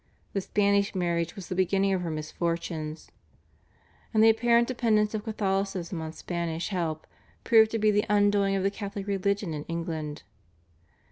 The Spanish marriage was the beginning of her misfortunes, and the apparent dependence of Catholicism on Spanish help proved to be the undoing of the Catholic religion in England.